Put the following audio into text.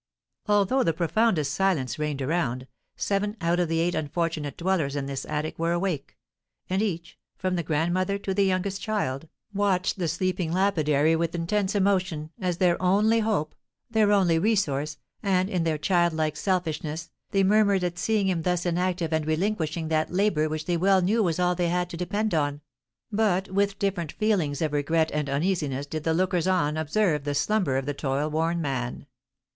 Although the profoundest silence reigned around, seven out of the eight unfortunate dwellers in this attic were awake; and each, from the grandmother to the youngest child, watched the sleeping lapidary with intense emotion, as their only hope, their only resource, and, in their childlike selfishness, they murmured at seeing him thus inactive and relinquishing that labour which they well knew was all they had to depend on; but with different feelings of regret and uneasiness did the lookers on observe the slumber of the toil worn man.